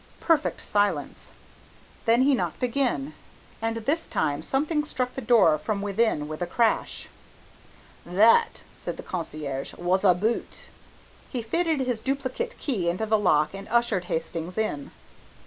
Perfect silence. Then he knocked again, and this time something struck the door from within with a crash. "That," said the concierge, "was a boot." He fitted his duplicate key into the lock and ushered Hastings in.